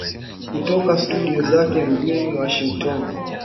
kutoka studio zake mjini Washington